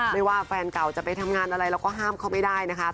ไม่ว่าแฟนเก่าจะไปทำงานอะไรเราก็ห้ามเขาไม่ได้นะคะ